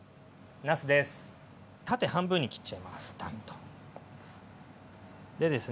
縦半分に切っちゃいます。